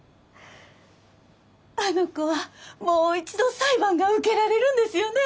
あの子はもう一度裁判が受けられるんですよね？